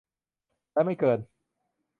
และไม่เกิน